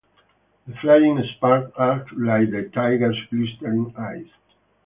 The flying sparks are like the tiger's glistering eyes.